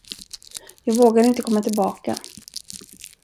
Jag vågade inte komma tillbaka.